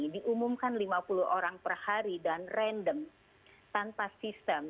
diumumkan lima puluh orang per hari dan random tanpa sistem